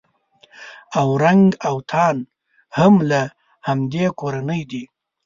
اورنګ اوتان هم له همدې کورنۍ دي.